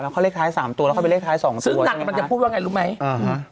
แล้วเขาเลขท้ายสามตัวแล้วเขาไปเลขท้ายสองตัวซึ่งนางมันจะพูดว่าไงรู้ไหมอืม